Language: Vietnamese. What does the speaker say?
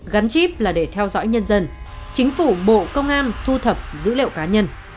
gắn chip là để theo dõi nhân dân chính phủ bộ công an thu thập dữ liệu cá nhân